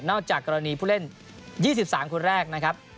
จากกรณีผู้เล่น๒๓คนแรกนะครับ